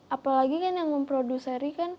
apalagi kan yang memproduce seri